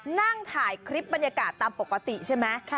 นั่งถ่ายคลิปบรรยากาศตามปกติใช่ไหม